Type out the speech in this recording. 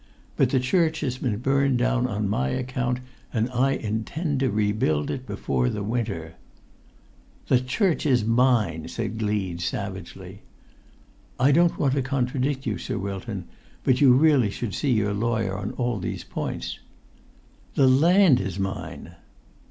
But the church has been burnt down on my account, and I intend to rebuild it before the winter." "The church is mine!" said Gleed, savagely. "I don't want to contradict you, Sir Wilton; but you should really see your lawyer on all these points." "The land is mine!"